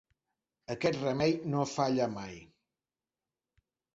Aquest remei no falla mai.